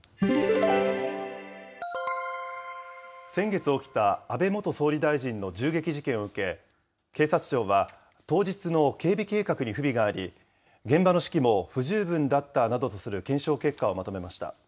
先月起きた、安倍元総理大臣の銃撃事件を受け、警察庁は、当日の警備計画に不備があり、現場の指揮も不十分だったなどとする検証結果をまとめました。